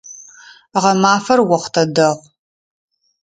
Гъэмафэр охътэ дэгъу.